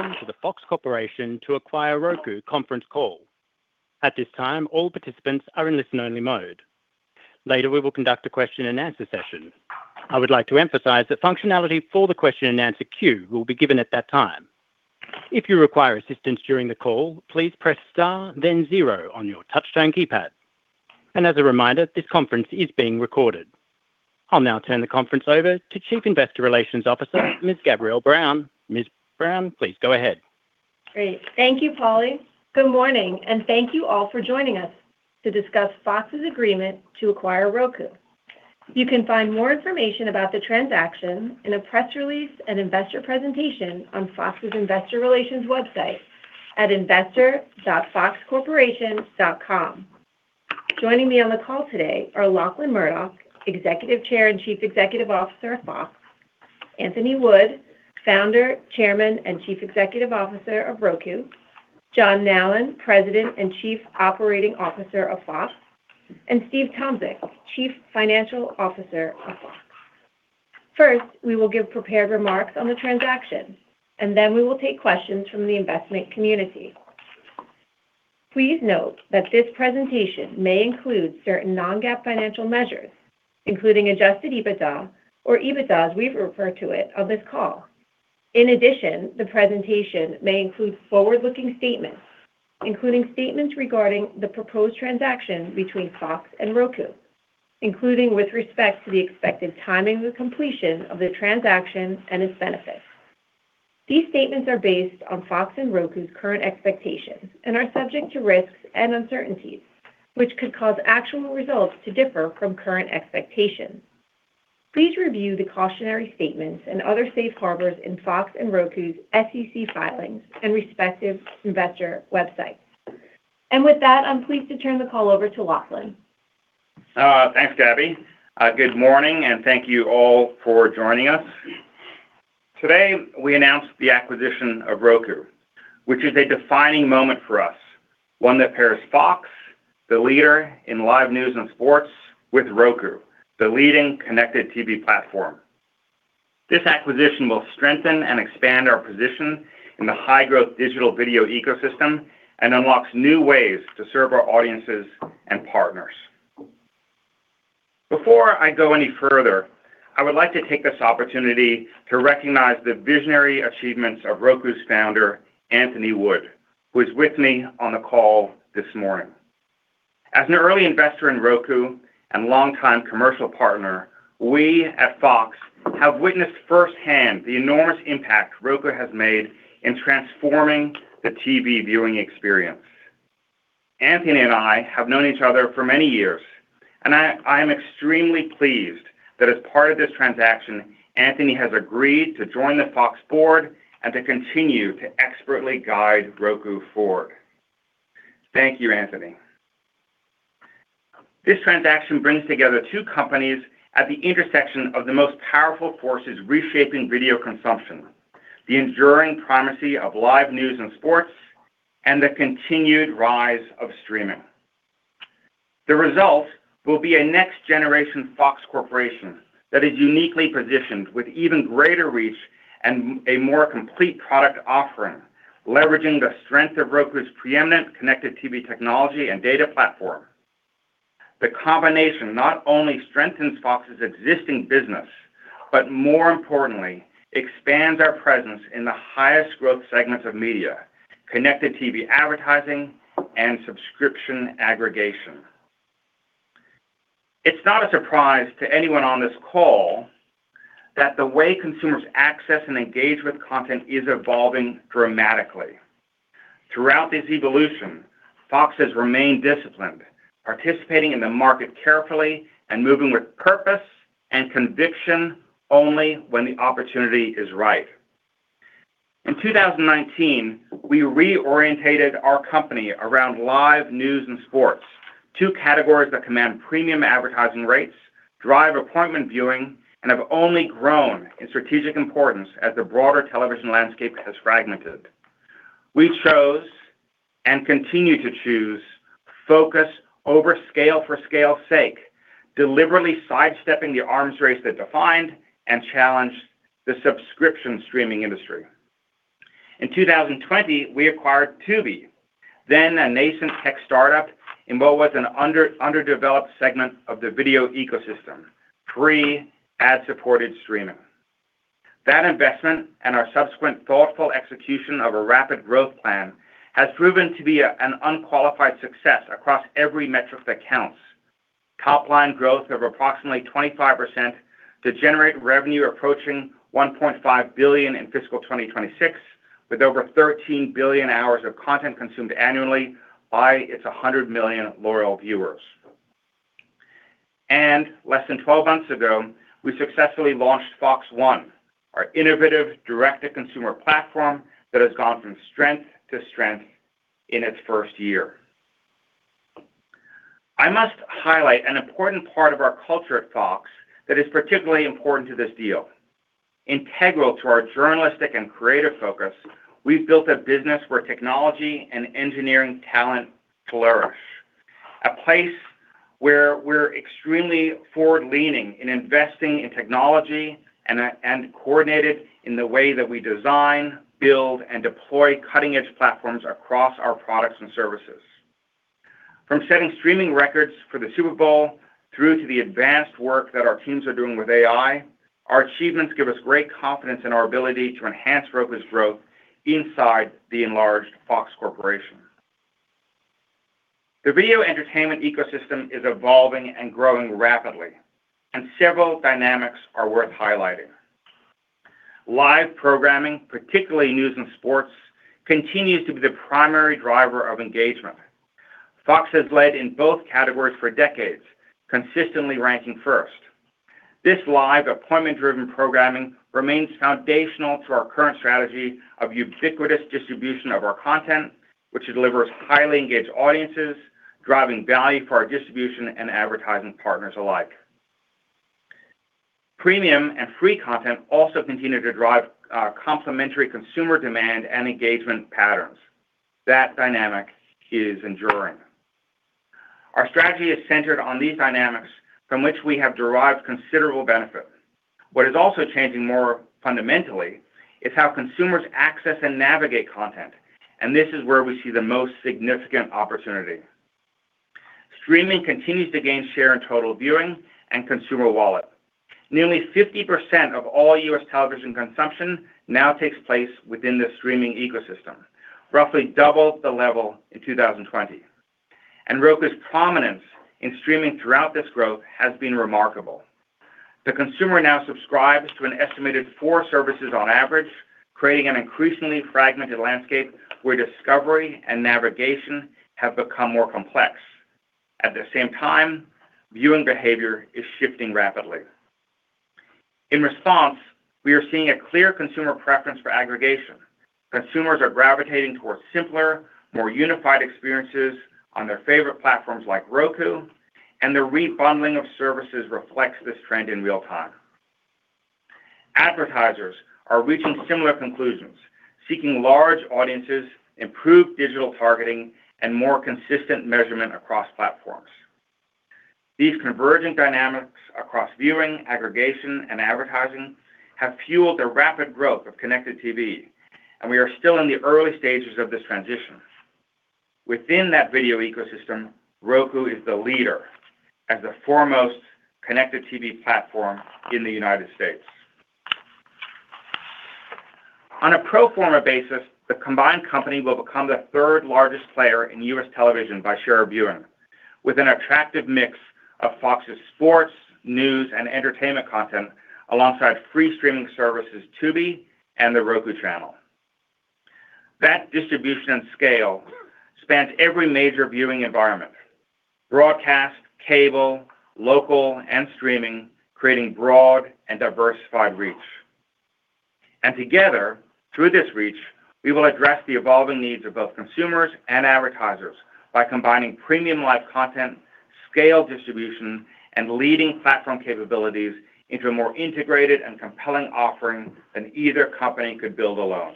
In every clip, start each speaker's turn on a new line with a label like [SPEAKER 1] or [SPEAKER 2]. [SPEAKER 1] Welcome to the Fox Corporation to acquire Roku conference call. At this time, all participants are in listen-only mode. Later, we will conduct a question-and-answer session. I would like to emphasize that functionality for the question-and-answer queue will be given at that time. If you require assistance during the call, please press star then zero on your touchtone keypad. As a reminder, this conference is being recorded. I'll now turn the conference over to Chief Investor Relations Officer, Ms. Gabrielle Brown. Ms. Brown, please go ahead.
[SPEAKER 2] Great. Thank you, Paulie. Good morning, and thank you all for joining us to discuss Fox's agreement to acquire Roku. You can find more information about the transaction in a press release and investor presentation on Fox's investor relations website at investor.foxcorporation.com. Joining me on the call today are Lachlan Murdoch, Executive Chair and Chief Executive Officer of Fox, Anthony Wood, Founder, Chairman, and Chief Executive Officer of Roku, John Nallen, President and Chief Operating Officer of Fox, and Steve Tomsic, Chief Financial Officer of Fox. Then we will take questions from the investment community. Please note that this presentation may include certain non-GAAP financial measures, including adjusted EBITDA or EBITDA, as we refer to it on this call. In addition, the presentation may include forward-looking statements, including statements regarding the proposed transaction between Fox and Roku, including with respect to the expected timing of the completion of the transaction and its benefits. These statements are based on Fox and Roku's current expectations and are subject to risks and uncertainties, which could cause actual results to differ from current expectations. Please review the cautionary statements and other safe harbors in Fox and Roku's SEC filings and respective investor websites. With that, I'm pleased to turn the call over to Lachlan.
[SPEAKER 3] Thanks, Gabby. Good morning, and thank you all for joining us. Today, we announced the acquisition of Roku, which is a defining moment for us, one that pairs Fox, the leader in live news and sports, with Roku, the leading connected TV platform. This acquisition will strengthen and expand our position in the high-growth digital video ecosystem and unlocks new ways to serve our audiences and partners. Before I go any further, I would like to take this opportunity to recognize the visionary achievements of Roku's Founder, Anthony Wood, who is with me on the call this morning. As an early investor in Roku and longtime commercial partner, we at Fox have witnessed firsthand the enormous impact Roku has made in transforming the TV viewing experience. Anthony and I have known each other for many years, and I am extremely pleased that as part of this transaction, Anthony has agreed to join the Fox Board and to continue to expertly guide Roku forward. Thank you, Anthony. This transaction brings together two companies at the intersection of the most powerful forces reshaping video consumption, the enduring primacy of live news and sports, and the continued rise of streaming. The result will be a next-generation Fox Corporation that is uniquely positioned with even greater reach and a more complete product offering, leveraging the strength of Roku's preeminent connected TV technology and data platform. The combination not only strengthens Fox's existing business, but more importantly, expands our presence in the highest growth segments of media, connected TV advertising, and subscription aggregation. It's not a surprise to anyone on this call that the way consumers access and engage with content is evolving dramatically. Throughout this evolution, Fox has remained disciplined, participating in the market carefully and moving with purpose and conviction only when the opportunity is right. In 2019, we reorientated our company around live news and sports, two categories that command premium advertising rates, drive appointment viewing, and have only grown in strategic importance as the broader television landscape has fragmented. We chose and continue to choose focus over scale for scale's sake, deliberately sidestepping the arms race that defined and challenged the subscription streaming industry. In 2020, we acquired Tubi, then a nascent tech startup in what was an underdeveloped segment of the video ecosystem, free ad-supported streaming. That investment and our subsequent thoughtful execution of a rapid growth plan has proven to be an unqualified success across every metric that counts. Topline growth of approximately 25% to generate revenue approaching $1.5 billion in fiscal 2026, with over 13 billion hours of content consumed annually by its 100 million loyal viewers. Less than 12 months ago, we successfully launched FOX One, our innovative direct-to-consumer platform that has gone from strength to strength in its first year. I must highlight an important part of our culture at Fox that is particularly important to this deal. Integral to our journalistic and creative focus, we've built a business where technology and engineering talent flourish. A place where we're extremely forward-leaning in investing in technology and coordinated in the way that we design, build, and deploy cutting-edge platforms across our products and services. From setting streaming records for the Super Bowl through to the advanced work that our teams are doing with AI, our achievements give us great confidence in our ability to enhance Roku's growth inside the enlarged Fox Corporation. The video entertainment ecosystem is evolving and growing rapidly, and several dynamics are worth highlighting. Live programming, particularly news and sports, continues to be the primary driver of engagement. Fox has led in both categories for decades, consistently ranking first. This live appointment-driven programming remains foundational to our current strategy of ubiquitous distribution of our content, which delivers highly engaged audiences, driving value for our distribution and advertising partners alike. Premium and free content also continue to drive complementary consumer demand and engagement patterns. That dynamic is enduring. Our strategy is centered on these dynamics from which we have derived considerable benefit. What is also changing more fundamentally is how consumers access and navigate content. This is where we see the most significant opportunity. Streaming continues to gain share in total viewing and consumer wallet. Nearly 50% of all U.S. television consumption now takes place within the streaming ecosystem, roughly double the level in 2020. Roku's prominence in streaming throughout this growth has been remarkable. The consumer now subscribes to an estimated four services on average, creating an increasingly fragmented landscape where discovery and navigation have become more complex. At the same time, viewing behavior is shifting rapidly. In response, we are seeing a clear consumer preference for aggregation. Consumers are gravitating towards simpler, more unified experiences on their favorite platforms like Roku. The rebundling of services reflects this trend in real time. Advertisers are reaching similar conclusions, seeking large audiences, improved digital targeting, and more consistent measurement across platforms. These convergent dynamics across viewing, aggregation, and advertising have fueled the rapid growth of connected TV. We are still in the early stages of this transition. Within that video ecosystem, Roku is the leader as the foremost connected TV platform in the United States. On a pro forma basis, the combined company will become the third-largest player in U.S. television by share of viewing, with an attractive mix of Fox's sports, news, and entertainment content, alongside free streaming services Tubi and The Roku Channel. That distribution and scale spans every major viewing environment, broadcast, cable, local, and streaming, creating broad and diversified reach. Together, through this reach, we will address the evolving needs of both consumers and advertisers by combining premium live content, scale distribution, and leading platform capabilities into a more integrated and compelling offering than either company could build alone.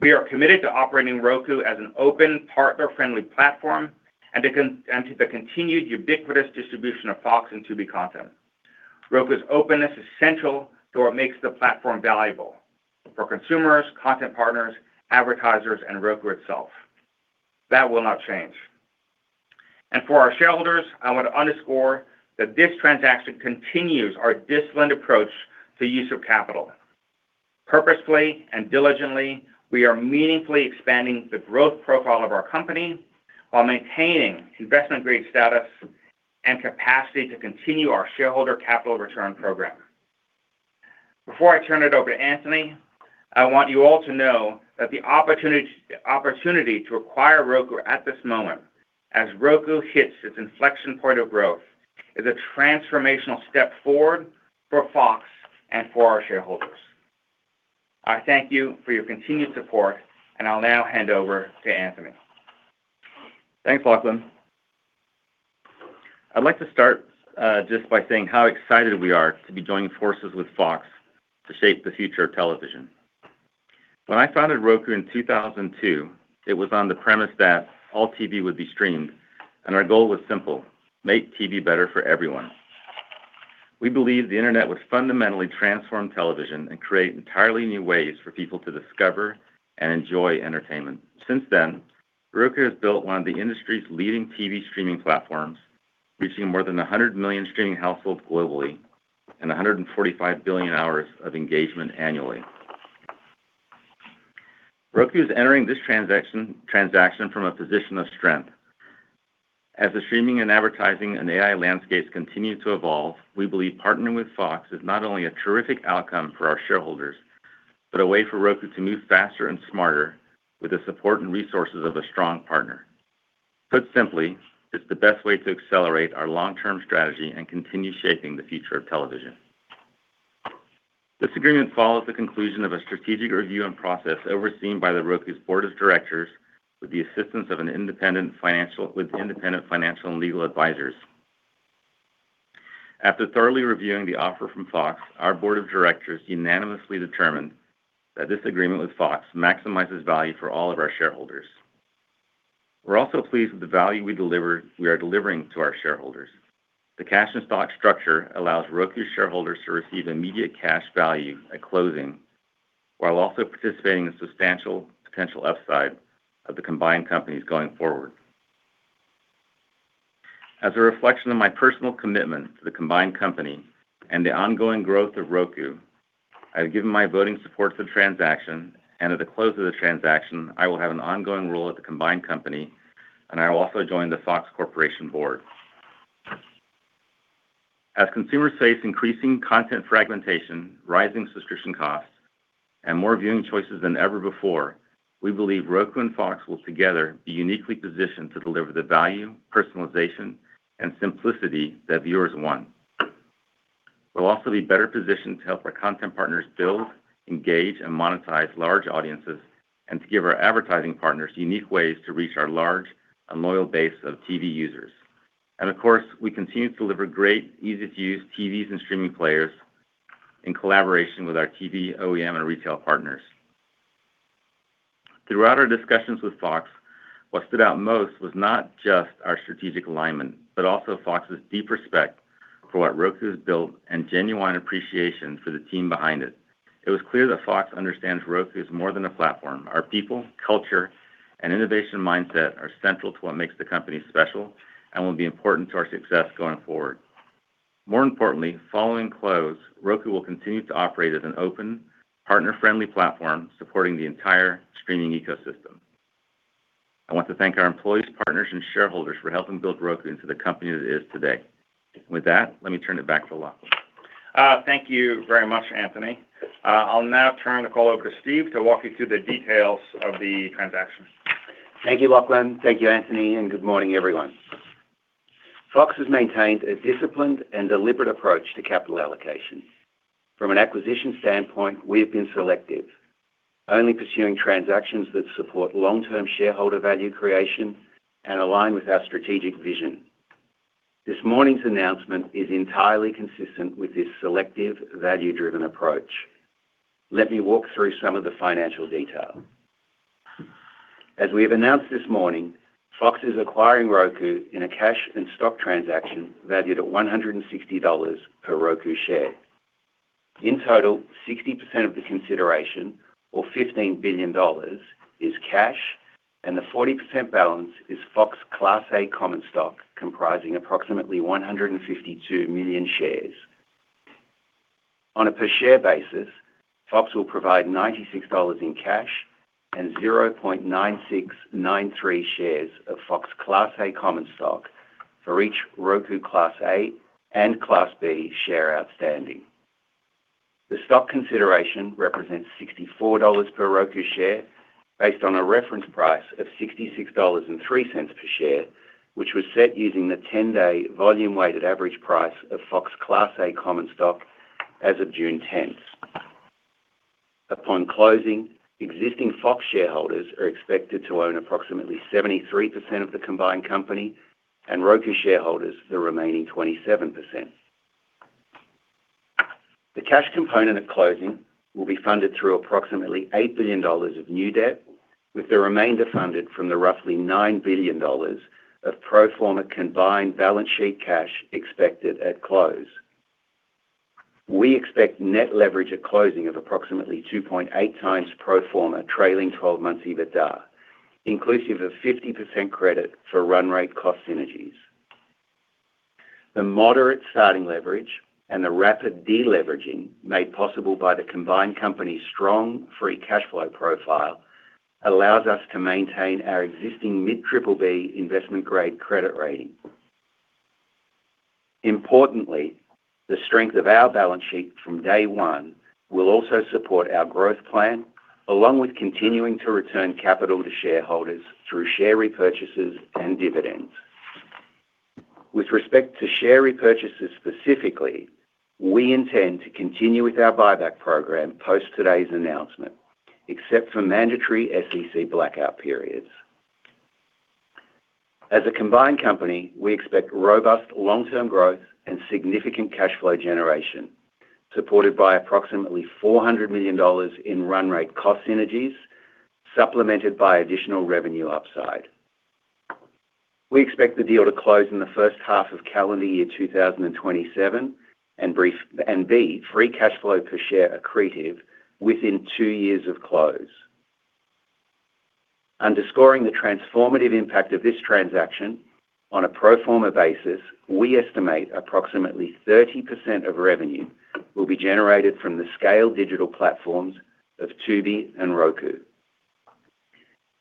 [SPEAKER 3] We are committed to operating Roku as an open, partner-friendly platform and to the continued ubiquitous distribution of Fox and Tubi content. Roku's openness is central to what makes the platform valuable for consumers, content partners, advertisers, and Roku itself. That will not change. For our shareholders, I want to underscore that this transaction continues our disciplined approach to use of capital. Purposefully and diligently, we are meaningfully expanding the growth profile of our company while maintaining investment-grade status and capacity to continue our shareholder capital return program. Before I turn it over to Anthony, I want you all to know that the opportunity to acquire Roku at this moment, as Roku hits its inflection point of growth, is a transformational step forward for Fox and for our shareholders. I thank you for your continued support. I'll now hand over to Anthony.
[SPEAKER 4] Thanks, Lachlan. I'd like to start just by saying how excited we are to be joining forces with Fox to shape the future of television. When I founded Roku in 2002, it was on the premise that all TV would be streamed, and our goal was simple: Make TV Better for Everyone. We believed the internet would fundamentally transform television and create entirely new ways for people to discover and enjoy entertainment. Since then, Roku has built one of the industry's leading TV streaming platforms, reaching more than 100 million streaming households globally and 145 billion hours of engagement annually. Roku is entering this transaction from a position of strength. As the streaming and advertising and AI landscapes continue to evolve, we believe partnering with Fox is not only a terrific outcome for our shareholders, but a way for Roku to move faster and smarter with the support and resources of a strong partner. Put simply, it's the best way to accelerate our long-term strategy and continue shaping the future of television. This agreement follows the conclusion of a strategic review and process overseen by the Roku's Board of Directors with independent financial and legal advisors. After thoroughly reviewing the offer from Fox, our Board of Directors unanimously determined that this agreement with Fox maximizes value for all of our shareholders. We're also pleased with the value we are delivering to our shareholders. The cash and stock structure allows Roku shareholders to receive immediate cash value at closing, while also participating in the substantial potential upside of the combined companies going forward. As a reflection of my personal commitment to the combined company and the ongoing growth of Roku, I have given my voting support to the transaction, and at the close of the transaction, I will have an ongoing role at the combined company, and I will also join the Fox Corporation Board. As consumers face increasing content fragmentation, rising subscription costs, and more viewing choices than ever before, we believe Roku and Fox will together be uniquely positioned to deliver the value, personalization, and simplicity that viewers want. We'll also be better positioned to help our content partners build, engage, and monetize large audiences, and to give our advertising partners unique ways to reach our large and loyal base of TV users. Of course, we continue to deliver great, easy-to-use TVs and streaming players in collaboration with our TV OEM and retail partners. Throughout our discussions with Fox, what stood out most was not just our strategic alignment, but also Fox's deep respect for what Roku has built and genuine appreciation for the team behind it. It was clear that Fox understands Roku is more than a platform. Our people, culture, and innovation mindset are central to what makes the company special and will be important to our success going forward. More importantly, following close, Roku will continue to operate as an open, partner-friendly platform supporting the entire streaming ecosystem. I want to thank our employees, partners, and shareholders for helping build Roku into the company that it is today. With that, let me turn it back to Lachlan.
[SPEAKER 3] Thank you very much, Anthony. I will now turn the call over to Steve to walk you through the details of the transaction.
[SPEAKER 5] Thank you, Lachlan. Thank you, Anthony, and good morning, everyone. Fox has maintained a disciplined and deliberate approach to capital allocation. From an acquisition standpoint, we have been selective, only pursuing transactions that support long-term shareholder value creation and align with our strategic vision. This morning's announcement is entirely consistent with this selective, value-driven approach. Let me walk through some of the financial detail. As we have announced this morning, Fox is acquiring Roku in a cash and stock transaction valued at $160 per Roku share. In total, 60% of the consideration, or $15 billion, is cash, and the 40% balance is Fox Class A common stock, comprising approximately 152 million shares. On a per share basis, Fox will provide $96 in cash and 0.9693 shares of Fox Class A common stock for each Roku Class A and Class B share outstanding. The stock consideration represents $64 per Roku share based on a reference price of $66.03 per share, which was set using the 10-day volume-weighted average price of Fox Class A common stock as of June 10th. Upon closing, existing Fox shareholders are expected to own approximately 73% of the combined company, and Roku shareholders, the remaining 27%. The cash component at closing will be funded through approximately $8 billion of new debt, with the remainder funded from the roughly $9 billion of pro forma combined balance sheet cash expected at close. We expect net leverage at closing of approximately 2.8x pro forma trailing 12 months EBITDA, inclusive of 50% credit for run rate cost synergies. The moderate starting leverage and the rapid de-leveraging made possible by the combined company's strong free cash flow profile allows us to maintain our existing mid-BBB investment-grade credit rating. Importantly, the strength of our balance sheet from day one will also support our growth plan, along with continuing to return capital to shareholders through share repurchases and dividends. With respect to share repurchases specifically, we intend to continue with our buyback program post today's announcement, except for mandatory SEC blackout periods. As a combined company, we expect robust long-term growth and significant cash flow generation, supported by approximately $400 million in run rate cost synergies, supplemented by additional revenue upside. We expect the deal to close in the first half of calendar year 2027, and B, free cash flow per share accretive within two years of close. Underscoring the transformative impact of this transaction, on a pro forma basis, we estimate approximately 30% of revenue will be generated from the scaled digital platforms of Tubi and Roku.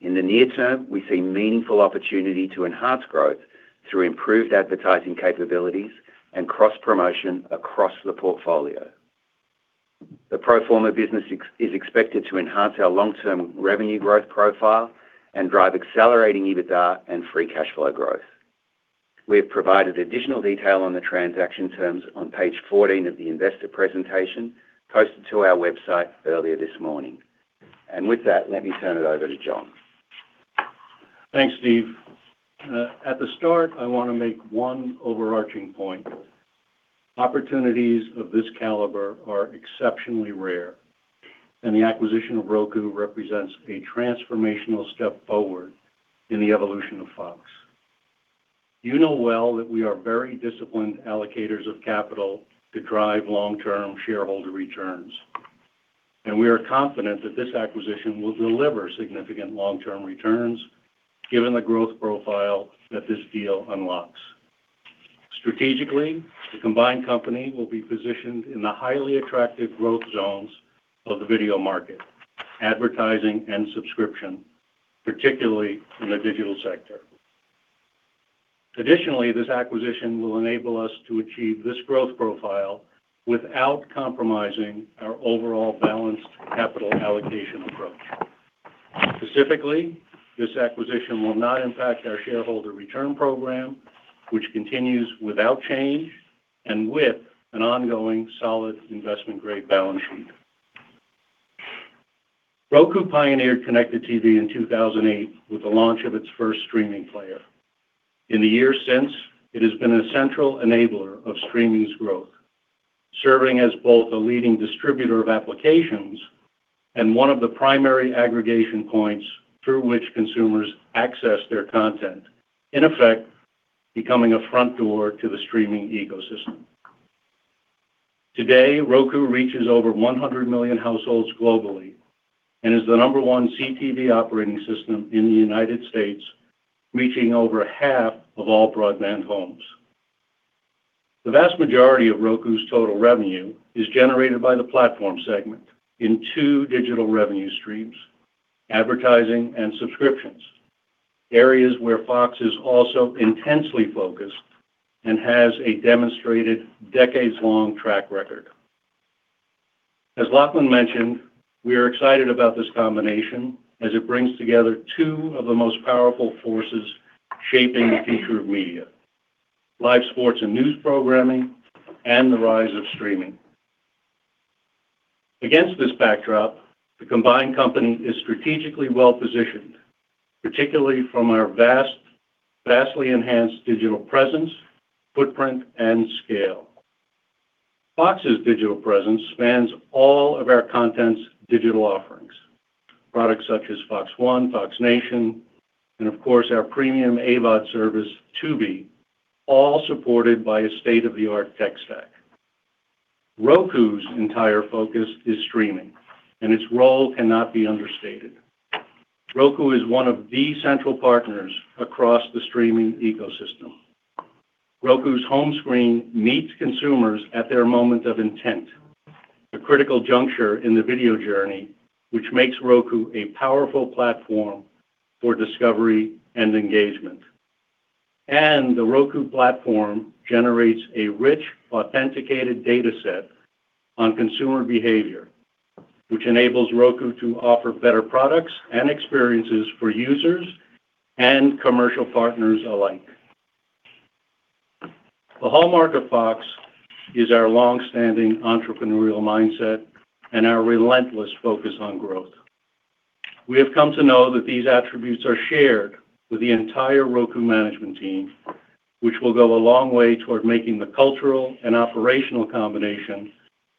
[SPEAKER 5] In the near term, we see meaningful opportunity to enhance growth through improved advertising capabilities and cross-promotion across the portfolio. The pro forma business is expected to enhance our long-term revenue growth profile and drive accelerating EBITDA and free cash flow growth. We have provided additional detail on the transaction terms on page 14 of the investor presentation posted to our website earlier this morning. With that, let me turn it over to John.
[SPEAKER 6] Thanks, Steve. At the start, I want to make one overarching point. Opportunities of this caliber are exceptionally rare, and the acquisition of Roku represents a transformational step forward in the evolution of Fox. You know well that we are very disciplined allocators of capital to drive long-term shareholder returns, and we are confident that this acquisition will deliver significant long-term returns given the growth profile that this deal unlocks. Strategically, the combined company will be positioned in the highly attractive growth zones of the video market, advertising and subscription, particularly in the digital sector. Additionally, this acquisition will enable us to achieve this growth profile without compromising our overall balanced capital allocation approach. Specifically, this acquisition will not impact our shareholder return program, which continues without change and with an ongoing solid investment-grade balance sheet. Roku pioneered connected TV in 2008 with the launch of its first streaming player. In the years since, it has been a central enabler of streaming's growth, serving as both a leading distributor of applications and one of the primary aggregation points through which consumers access their content, in effect, becoming a front door to the streaming ecosystem. Today, Roku reaches over 100 million households globally and is the number one CTV operating system in the U.S., reaching over half of all broadband homes. The vast majority of Roku's total revenue is generated by the platform segment in two digital revenue streams, advertising and subscriptions, areas where Fox is also intensely focused and has a demonstrated decades-long track record. As Lachlan mentioned, we are excited about this combination as it brings together two of the most powerful forces shaping the future of media, live sports and news programming, and the rise of streaming. Against this backdrop, the combined company is strategically well-positioned, particularly from our vastly enhanced digital presence, footprint, and scale. Fox's digital presence spans all of our content's digital offerings, products such as FOX One, FOX Nation, and of course, our premium AVOD service, Tubi, all supported by a state-of-the-art tech stack. Roku's entire focus is streaming, and its role cannot be understated. Roku is one of the central partners across the streaming ecosystem. Roku's home screen meets consumers at their moment of intent, the critical juncture in the video journey, which makes Roku a powerful platform for discovery and engagement. The Roku platform generates a rich, authenticated data set on consumer behavior, which enables Roku to offer better products and experiences for users and commercial partners alike. The hallmark of Fox is our long-standing entrepreneurial mindset and our relentless focus on growth. We have come to know that these attributes are shared with the entire Roku management team, which will go a long way toward making the cultural and operational combination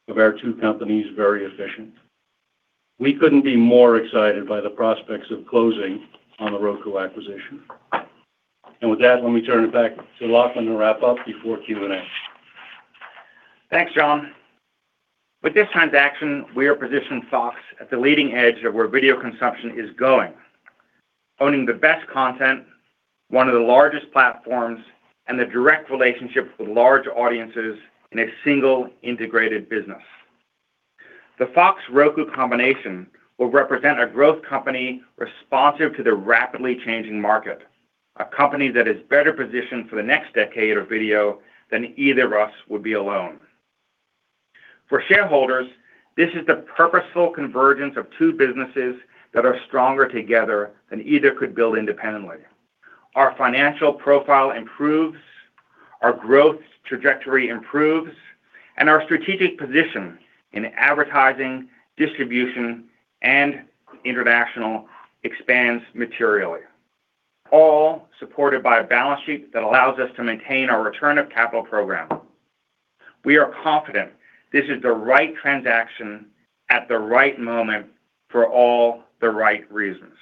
[SPEAKER 6] of our two companies very efficient. We couldn't be more excited by the prospects of closing on the Roku acquisition. With that, let me turn it back to Lachlan to wrap up before Q&A.
[SPEAKER 3] Thanks, John. With this transaction, we are positioning Fox at the leading edge of where video consumption is going. Owning the best content, one of the largest platforms, and the direct relationship with large audiences in a single integrated business. The Fox Roku combination will represent a growth company responsive to the rapidly changing market, a company that is better positioned for the next decade of video than either of us would be alone. For shareholders, this is the purposeful convergence of two businesses that are stronger together than either could build independently. Our financial profile improves, our growth trajectory improves, and our strategic position in advertising, distribution, and international expands materially. All supported by a balance sheet that allows us to maintain our return of capital program. We are confident this is the right transaction at the right moment for all the right reasons.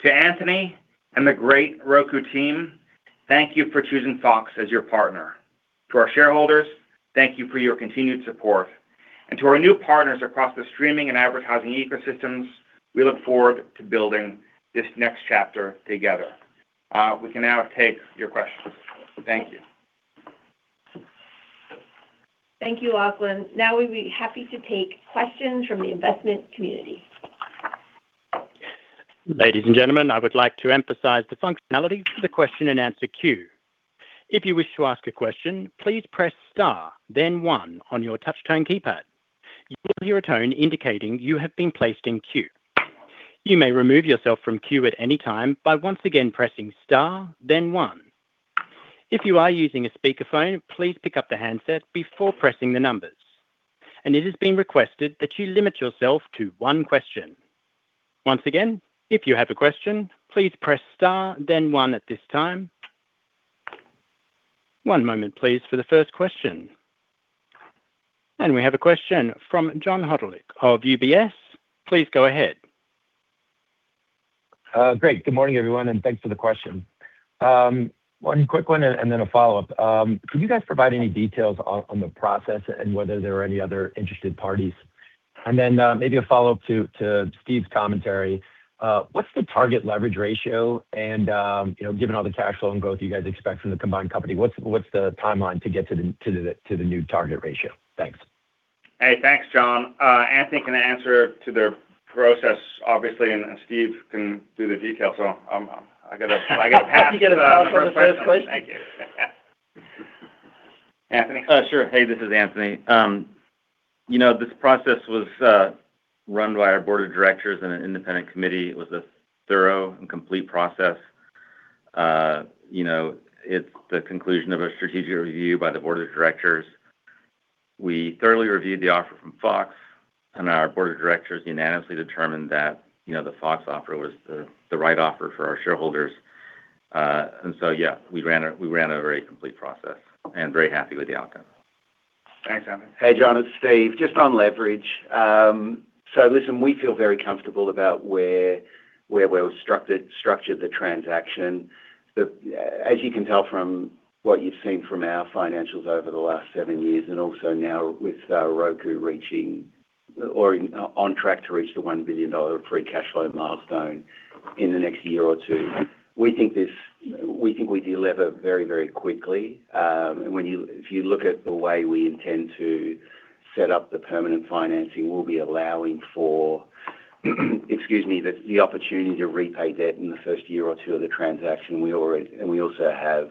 [SPEAKER 3] To Anthony and the great Roku team, thank you for choosing Fox as your partner. To our shareholders, thank you for your continued support. To our new partners across the streaming and advertising ecosystems, we look forward to building this next chapter together. We can now take your questions. Thank you.
[SPEAKER 2] Thank you, Lachlan. Now we'd be happy to take questions from the investment community.
[SPEAKER 1] Ladies and gentlemen, I would like to emphasize the functionality for the question and answer queue. If you wish to ask a question, please press star then one on your touch tone keypad. You will hear a tone indicating you have been placed in queue. You may remove yourself from queue at any time by once again pressing star then one. If you are using a speakerphone, please pick up the handset before pressing the numbers. It has been requested that you limit yourself to one question. Once again, if you have a question, please press star then one at this time. One moment, please, for the first question. We have a question from John Hodulik of UBS. Please go ahead.
[SPEAKER 7] Great. Good morning, everyone, and thanks for the question. One quick one and then a follow-up. Could you guys provide any details on the process and whether there are any other interested parties? Then maybe a follow-up to Steve's commentary. What's the target leverage ratio and, given all the cash flow and growth you guys expect from the combined company, what's the timeline to get to the new target ratio? Thanks.
[SPEAKER 3] Hey, thanks, John. Anthony can answer to the process, obviously, and Steve can do the details. I got to pass to.
[SPEAKER 7] You get to pass on the first question.
[SPEAKER 3] Thank you, Anthony.
[SPEAKER 4] Sure. Hey, this is Anthony. This process was run by our Board of Directors and an independent committee. It was a thorough and complete process. It's the conclusion of a strategic review by the Board of Directors. We thoroughly reviewed the offer from Fox, and our Board of Directors unanimously determined that the Fox offer was the right offer for our shareholders. Yeah, we ran a very complete process and very happy with the outcome.
[SPEAKER 7] Thanks, Anthony.
[SPEAKER 5] Hey, John, it's Steve. Just on leverage. Listen, we feel very comfortable about where we've structured the transaction. As you can tell from what you've seen from our financials over the last seven years, and also now with Roku on track to reach the $1 billion free cash flow milestone in the next year or two, we think we de-lever very quickly. If you look at the way we intend to set up the permanent financing, we'll be allowing for the opportunity to repay debt in the first year or two of the transaction. We also have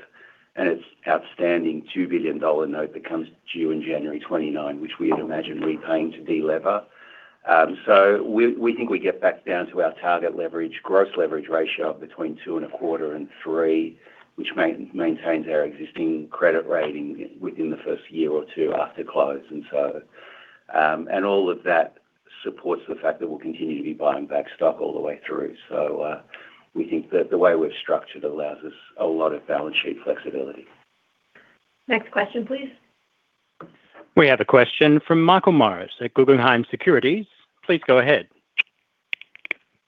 [SPEAKER 5] an outstanding $2 billion note that comes due in January 2029, which we had imagined repaying to de-lever. We think we get back down to our target leverage, gross leverage ratio of between 2.25x and 3x, which maintains our existing credit rating within the first year or two after close. All of that supports the fact that we'll continue to be buying back stock all the way through. We think that the way we've structured allows us a lot of balance sheet flexibility.
[SPEAKER 2] Next question, please.
[SPEAKER 1] We have a question from Michael Morris at Guggenheim Securities. Please go ahead.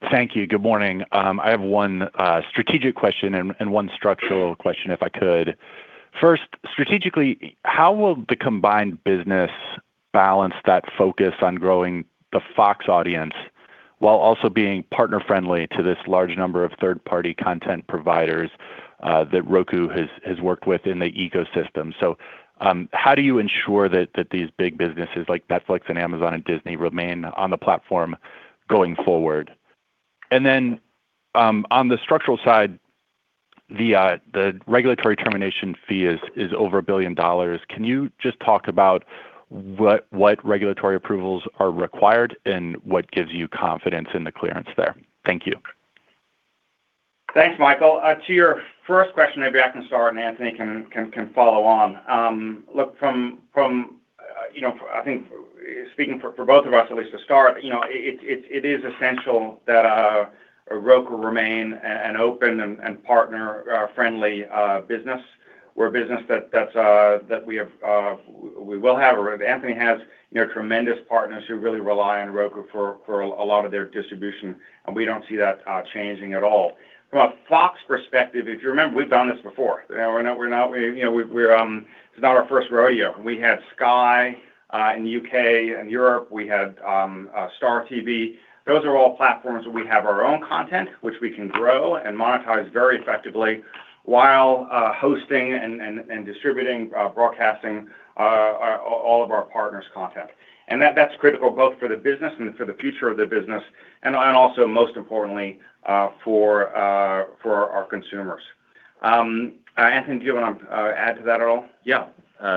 [SPEAKER 8] Thank you. Good morning. I have one strategic question and one structural question, if I could. First, strategically, how will the combined business balance that focus on growing the Fox audience while also being partner-friendly to this large number of third-party content providers that Roku has worked with in the ecosystem? How do you ensure that these big businesses like Netflix and Amazon and Disney remain on the platform going forward? On the structural side, the regulatory termination fee is over $1 billion. Can you just talk about what regulatory approvals are required and what gives you confidence in the clearance there? Thank you.
[SPEAKER 3] Thanks, Michael. To your first question, maybe I can start and Anthony can follow on. Look, I think speaking for both of us, at least to start, it is essential that Roku remain an open and partner-friendly business. We're a business that we will have, or Anthony has, tremendous partners who really rely on Roku for a lot of their distribution, and we don't see that changing at all. From a Fox perspective, if you remember, we've done this before. It's not our first rodeo. We had Sky in the U.K. and Europe. We had Star TV. Those are all platforms where we have our own content, which we can grow and monetize very effectively while hosting and distributing, broadcasting all of our partners' content. That's critical both for the business and for the future of the business and also, most importantly, for our consumers. Anthony, do you want to add to that at all?
[SPEAKER 4] Yeah.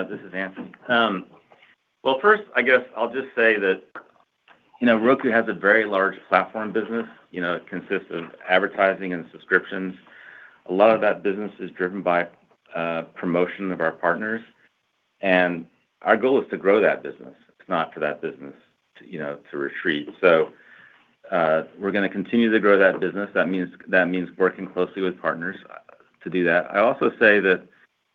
[SPEAKER 4] This is Anthony. Well, first, I guess I'll just say that Roku has a very large platform business. It consists of advertising and subscriptions. A lot of that business is driven by promotion of our partners, and our goal is to grow that business. It's not for that business to retreat. We're going to continue to grow that business. That means working closely with partners to do that. I also say that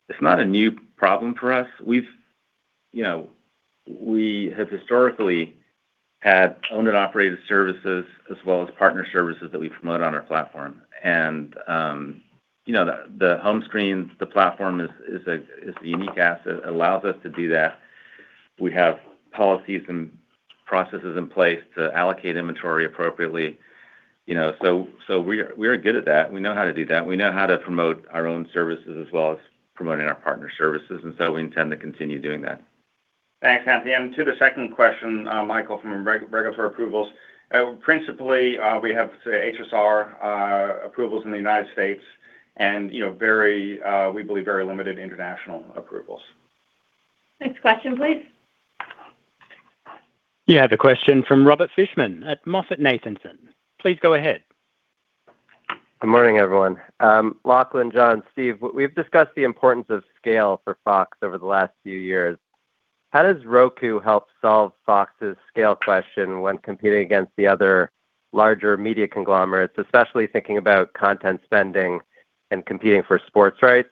[SPEAKER 4] it's not a new problem for us. We have historically had owned and operated services as well as partner services that we promote on our platform. The home screen, the platform is a unique asset. It allows us to do that. We have policies and processes in place to allocate inventory appropriately. We are good at that. We know how to do that. We know how to promote our own services as well as promoting our partner services, we intend to continue doing that.
[SPEAKER 3] Thanks, Anthony. To the second question, Michael, from regulatory approvals. Principally, we have HSR approvals in the United States and we believe very limited international approvals.
[SPEAKER 2] Next question, please.
[SPEAKER 1] You have a question from Robert Fishman at MoffettNathanson. Please go ahead.
[SPEAKER 9] Good morning, everyone. Lachlan, John, Steve, we've discussed the importance of scale for Fox over the last few years. How does Roku help solve Fox's scale question when competing against the other larger media conglomerates, especially thinking about content spending and competing for sports rights?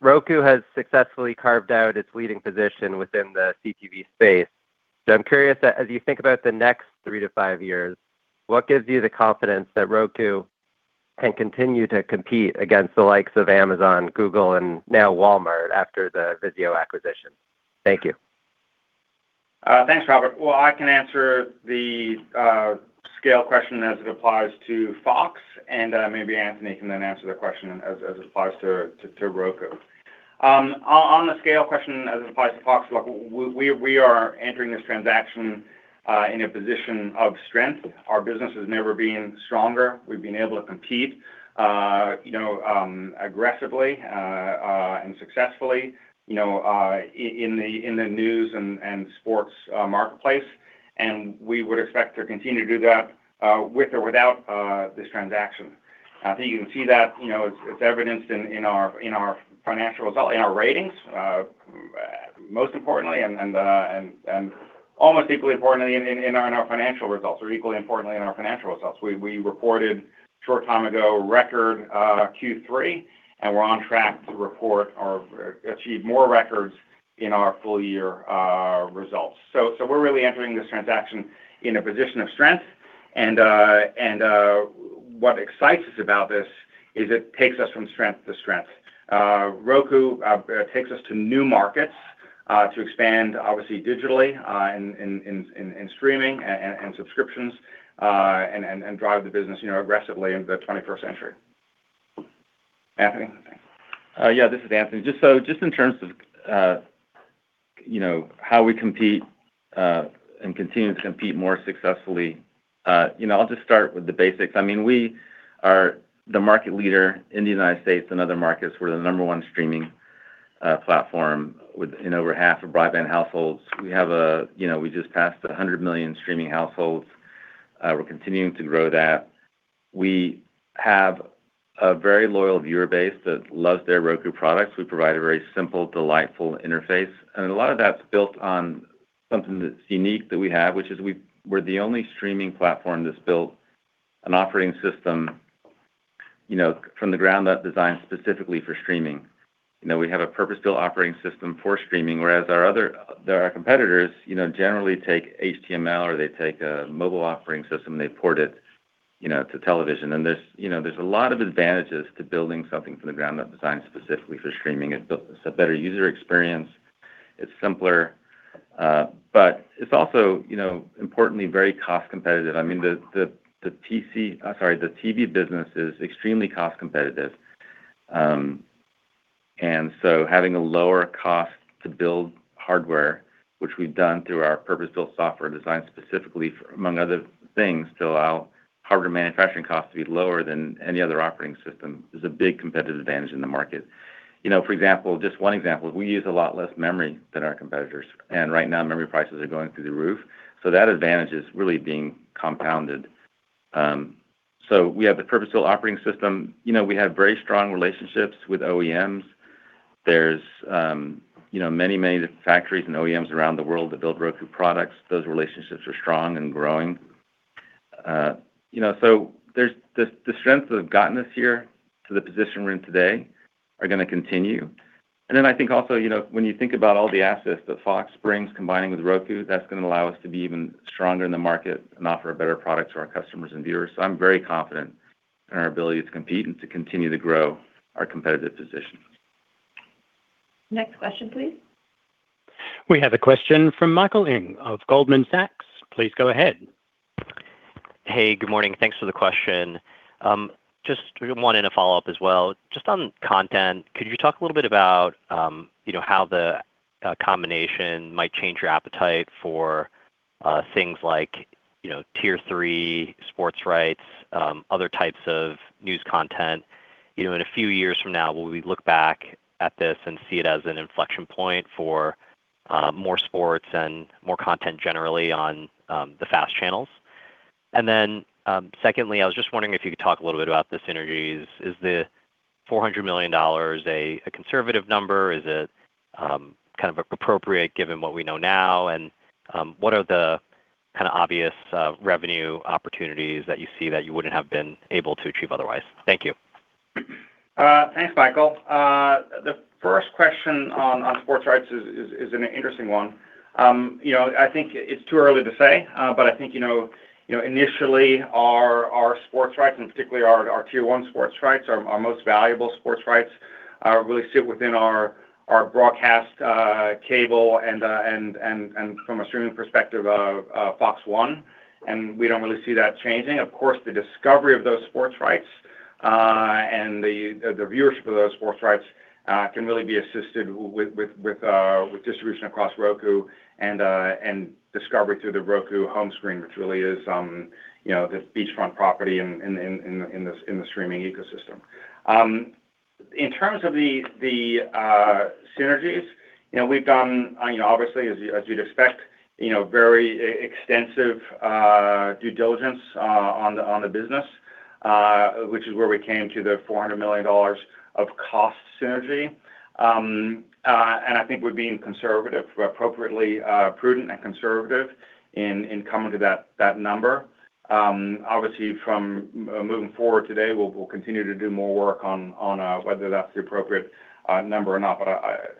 [SPEAKER 9] Roku has successfully carved out its leading position within the CTV space. I'm curious that as you think about the next three to five years, what gives you the confidence that Roku can continue to compete against the likes of Amazon, Google, and now Walmart after the VIZIO acquisition? Thank you.
[SPEAKER 3] Thanks, Robert. I can answer the scale question as it applies to Fox, and maybe Anthony can then answer the question as it applies to Roku. On the scale question as it applies to Fox, look, we are entering this transaction in a position of strength. Our business has never been stronger. We've been able to compete aggressively and successfully in the news and sports marketplace, we would expect to continue to do that with or without this transaction. I think you can see that it's evidenced in our financial result, in our ratings, most importantly, and almost equally importantly in our financial results, or equally importantly in our financial results. We reported a short time ago, record Q3, we're on track to report or achieve more records in our full year results. We're really entering this transaction in a position of strength, and what excites us about this is it takes us from strength to strength. Roku takes us to new markets to expand, obviously digitally, in streaming and subscriptions, and drive the business aggressively into the 21st century. Anthony?
[SPEAKER 4] Yeah, this is Anthony. Just in terms of how we compete and continue to compete more successfully, I'll just start with the basics. We are the market leader in the U.S. and other markets. We're the number one streaming platform in over half of broadband households. We just passed 100 million streaming households. We're continuing to grow that. We have a very loyal viewer base that loves their Roku products. We provide a very simple, delightful interface, and a lot of that's built on something that's unique that we have, which is we're the only streaming platform that's built an operating system from the ground up designed specifically for streaming. We have a purpose-built operating system for streaming, whereas our competitors generally take HTML or they take a mobile operating system and they port it to television. There's a lot of advantages to building something from the ground up designed specifically for streaming. It's a better user experience. It's simpler. It's also importantly very cost competitive. The TV business is extremely cost competitive. Having a lower cost to build hardware, which we've done through our purpose-built software designed specifically, among other things, to allow hardware manufacturing costs to be lower than any other operating system, is a big competitive advantage in the market. For example, just one example, we use a lot less memory than our competitors, and right now, memory prices are going through the roof. That advantage is really being compounded. We have the purpose-built operating system. We have very strong relationships with OEMs. There's many factories and OEMs around the world that build Roku products. Those relationships are strong and growing. The strengths that have gotten us here to the position we're in today are going to continue. I think also, when you think about all the assets that Fox brings, combining with Roku, that's going to allow us to be even stronger in the market and offer a better product to our customers and viewers. I'm very confident in our ability to compete and to continue to grow our competitive position.
[SPEAKER 2] Next question, please.
[SPEAKER 1] We have a question from Michael Ng of Goldman Sachs. Please go ahead.
[SPEAKER 10] Hey, good morning. Thanks for the question. Just wanted to follow up as well. Just on content, could you talk a little bit about how the combination might change your appetite for things like Tier 3 sports rights, other types of news content? In a few years from now, will we look back at this and see it as an inflection point for more sports and more content generally on the FAST channels? Secondly, I was just wondering if you could talk a little bit about the synergies. Is the $400 million a conservative number? Is it appropriate given what we know now? What are the obvious revenue opportunities that you see that you wouldn't have been able to achieve otherwise? Thank you.
[SPEAKER 3] Thanks, Michael. The first question on sports rights is an interesting one. I think it's too early to say, but I think initially our sports rights and particularly our Tier 1 sports rights, our most valuable sports rights, really sit within our broadcast cable and from a streaming perspective of FOX One, we don't really see that changing. The discovery of those sports rights, and the viewership of those sports rights can really be assisted with distribution across Roku and discovery through the Roku home screen, which really is the beachfront property in the streaming ecosystem. In terms of the synergies, we've done, obviously, as you'd expect, very extensive due diligence on the business, which is where we came to the $400 million of cost synergy. I think we're being conservative, appropriately prudent and conservative in coming to that number. From moving forward today, we'll continue to do more work on whether that's the appropriate number or not.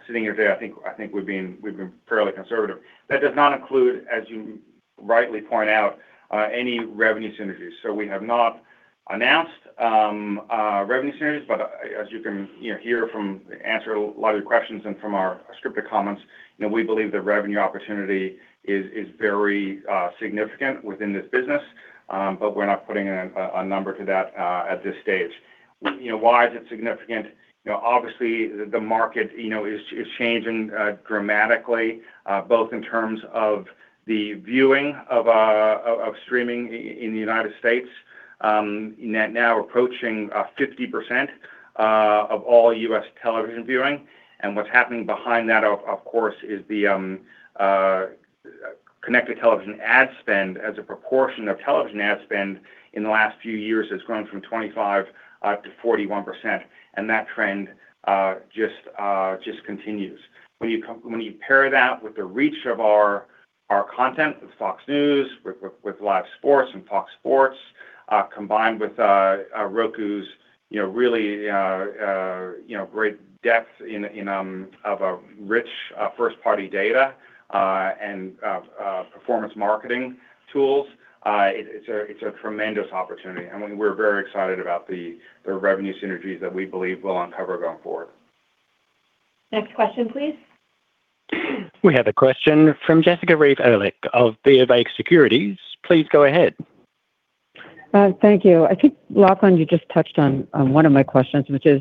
[SPEAKER 3] Sitting here today, I think we've been fairly conservative. That does not include, as you rightly point out, any revenue synergies. We have not announced revenue synergies, but as you can hear from answering a lot of your questions and from our scripted comments, we believe the revenue opportunity is very significant within this business. We're not putting a number to that at this stage. Why is it significant? The market is changing dramatically, both in terms of the viewing of streaming in the U.S. Now approaching 50% of all U.S. television viewing. What's happening behind that, of course, is the connected TV ad spend as a proportion of television ad spend in the last few years has grown from 25%-41%, and that trend just continues. When you pair that with the reach of our content with FOX News, with live sports and FOX Sports, combined with Roku's really great depth of a rich first-party data and performance marketing tools, it's a tremendous opportunity. We're very excited about the revenue synergies that we believe we'll uncover going forward.
[SPEAKER 2] Next question, please.
[SPEAKER 1] We have a question from Jessica Reif Ehrlich of BofA Securities. Please go ahead.
[SPEAKER 11] Thank you. I think, Lachlan, you just touched on one of my questions, which is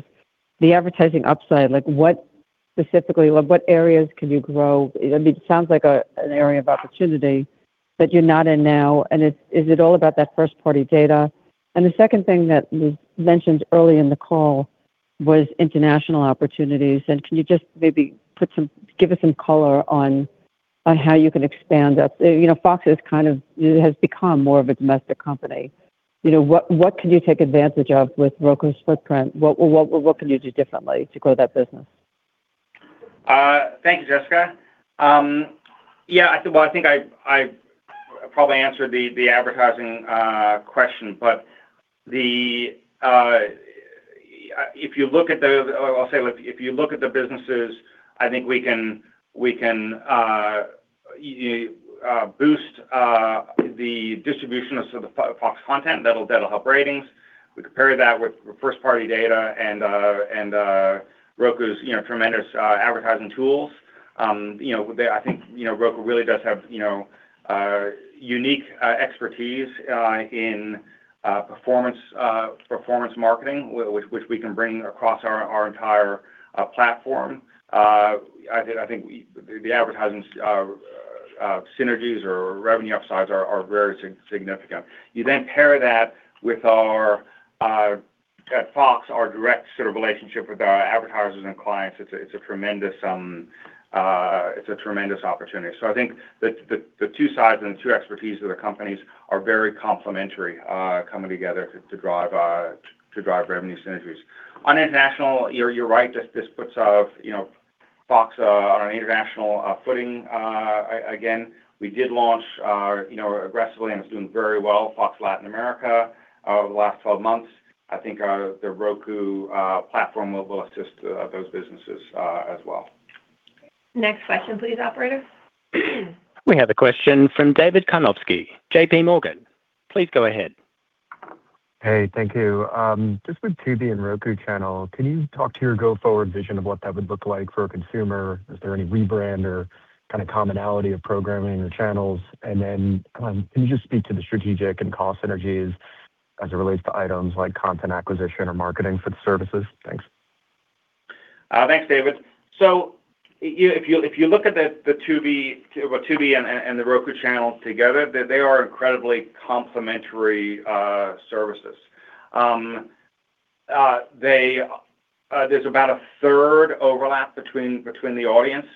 [SPEAKER 11] the advertising upside. What specifically, what areas can you grow? It sounds like an area of opportunity that you're not in now, and is it all about that first-party data? The second thing that you mentioned early in the call was international opportunities. Can you just maybe give us some color on how you can expand that? Fox has become more of a domestic company. What can you take advantage of with Roku's footprint? What can you do differently to grow that business?
[SPEAKER 3] Thank you, Jessica. Yeah. Well, I think I probably answered the advertising question. If you look at the businesses, I think we can boost the distribution of some of the Fox content. That'll help ratings. We could pair that with first-party data and Roku's tremendous advertising tools. I think Roku really does have unique expertise in performance marketing, which we can bring across our entire platform. I think the advertising synergies or revenue upsides are very significant. You then pair that with at Fox, our direct relationship with our advertisers and clients. It's a tremendous opportunity. I think the two sides and the two expertise of the companies are very complimentary coming together to drive revenue synergies. On international, you're right. This puts Fox on an international footing. Again, we did launch aggressively, and it's doing very well, FOX Latin America over the last 12 months. I think the Roku platform will assist those businesses as well.
[SPEAKER 2] Next question please, operator.
[SPEAKER 1] We have a question from David Karnovsky, JPMorgan. Please go ahead.
[SPEAKER 12] Hey, thank you. Just with Tubi and Roku Channel, can you talk to your go forward vision of what that would look like for a consumer? Is there any rebrand or kind of commonality of programming or channels? Then can you just speak to the strategic and cost synergies as it relates to items like content acquisition or marketing for the services? Thanks.
[SPEAKER 3] Thanks, David. If you look at Tubi and The Roku Channel together, they are incredibly complementary services. There is about a third overlap between the audience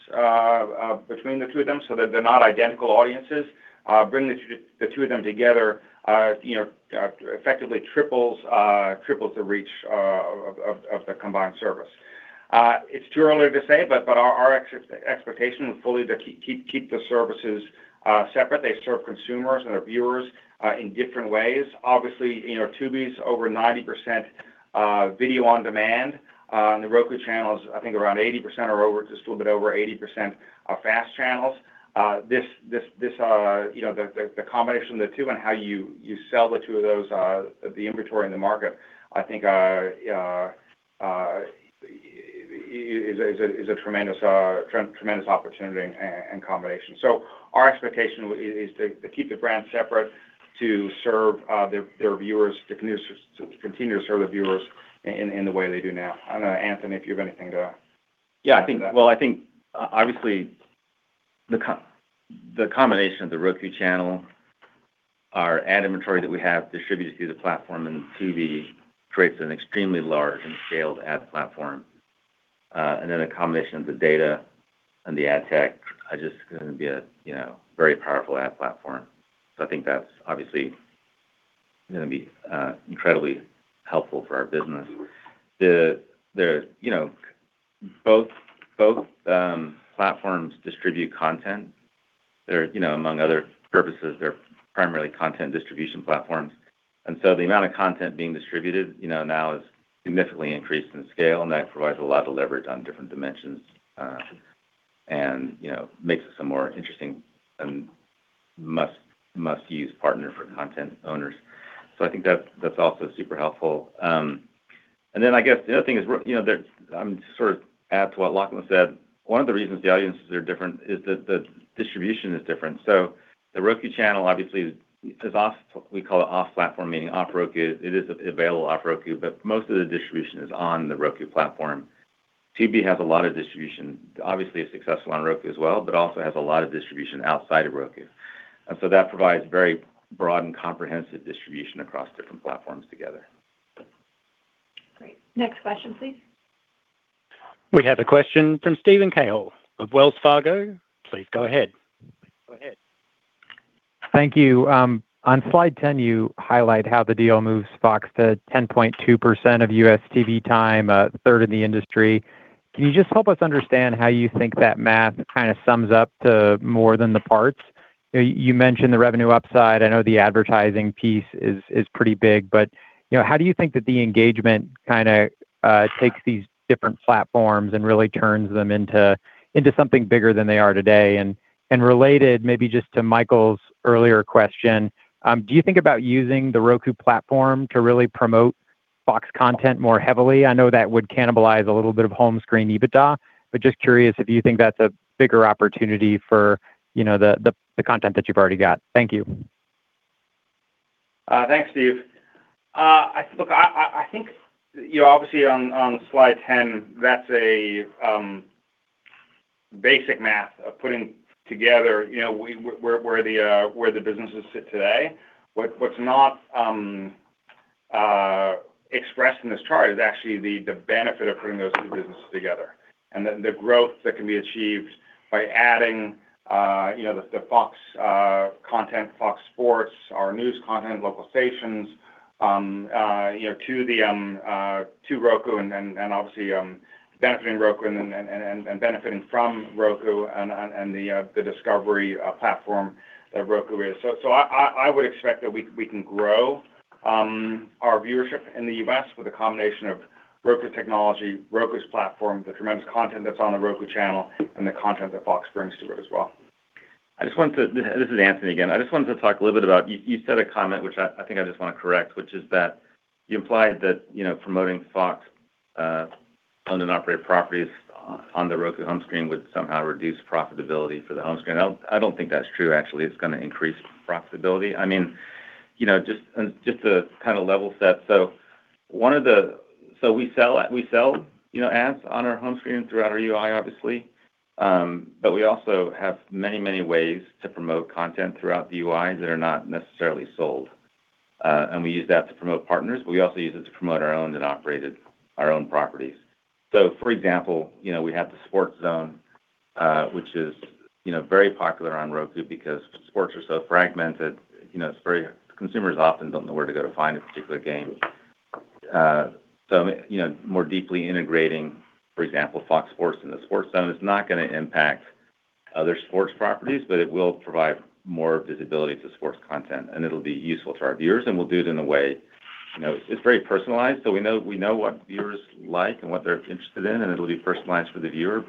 [SPEAKER 3] between the two of them, so that they are not identical audiences. Bringing the two of them together effectively triples the reach of the combined service. It is too early to say, but our expectation is fully to keep the services separate. They serve consumers and our viewers in different ways. Obviously, Tubi is over 90% video on demand, and The Roku Channel is, I think, around 80% or just a little bit over 80% are FAST channels. The combination of the two and how you sell the two of those, the inventory in the market, I think is a tremendous opportunity and combination. Our expectation is to keep the brands separate, to continue to serve the viewers in the way they do now. I do not know, Anthony, if you have anything to
[SPEAKER 4] Well, I think, obviously, the combination of The Roku Channel. Our ad inventory that we have distributed through the platform and Tubi creates an extremely large and scaled ad platform. A combination of the data and the ad tech are just going to be a very powerful ad platform. I think that is obviously going to be incredibly helpful for our business. Both platforms distribute content. Among other purposes, they are primarily content distribution platforms. The amount of content being distributed now is significantly increased in scale, and that provides a lot of leverage on different dimensions and makes it a more interesting and must-use partner for content owners. I think that is also super helpful. I guess the other thing is, to add to what Lachlan said, one of the reasons the audiences are different is that the distribution is different. The Roku Channel, obviously, we call it off-platform, meaning off Roku. It is available off Roku, but most of the distribution is on the Roku platform. Tubi has a lot of distribution. Obviously, it is successful on Roku as well, but also has a lot of distribution outside of Roku. That provides very broad and comprehensive distribution across different platforms together.
[SPEAKER 2] Great. Next question, please.
[SPEAKER 1] We have a question from Steven Cahall of Wells Fargo. Please go ahead.
[SPEAKER 13] Thank you. On slide 10, you highlight how the deal moves Fox to 10.2% of U.S. TV time, a third in the industry. Can you just help us understand how you think that math kind of sums up to more than the parts? You mentioned the revenue upside. I know the advertising piece is pretty big, how do you think that the engagement kind of takes these different platforms and really turns them into something bigger than they are today? Related maybe just to Michael's earlier question, do you think about using the Roku platform to really promote Fox content more heavily? I know that would cannibalize a little bit of home screen EBITDA, but just curious if you think that's a bigger opportunity for the content that you've already got. Thank you.
[SPEAKER 3] Thanks, Steve. Look, I think obviously on slide 10, that's a basic math of putting together where the businesses sit today. What's not expressed in this chart is actually the benefit of putting those two businesses together and the growth that can be achieved by adding the Fox content, FOX Sports, our news content, local stations to Roku, and obviously benefiting Roku and benefiting from Roku and the Discovery platform that Roku is. I would expect that we can grow our viewership in the U.S. with a combination of Roku's technology, Roku's platform, the tremendous content that's on The Roku Channel, and the content that Fox brings to it as well.
[SPEAKER 4] This is Anthony again. I just wanted to talk a little bit about, you said a comment, which I think I just want to correct, which is that you implied that promoting Fox owned and operated properties on The Roku home screen would somehow reduce profitability for the home screen. I don't think that's true, actually. It's going to increase profitability. Just to kind of level set. We sell ads on our home screen throughout our UI, obviously, but we also have many ways to promote content throughout the UI that are not necessarily sold. We use that to promote partners, but we also use it to promote our owned and operated, our own properties. For example, we have the Sports Zone, which is very popular on Roku because sports are so fragmented. Consumers often don't know where to go to find a particular game. More deeply integrating, for example, FOX Sports in the Sports Zone is not going to impact other sports properties, but it will provide more visibility to sports content, and it'll be useful to our viewers, and we'll do it in a way. It's very personalized, so we know what viewers like and what they're interested in, and it'll be personalized for the viewer.